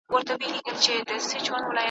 په الاهو راغلی خوبه خو چي نه تېرېدای ,